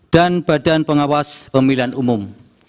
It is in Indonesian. dan badan pengawas pemilihan umum